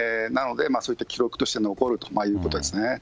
だから、そういった記録として残るということですね。